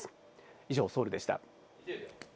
以上、ソウルでした。